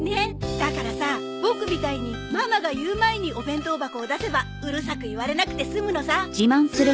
だからさボクみたいにママが言う前にお弁当箱を出せばうるさく言われなくて済むのさ。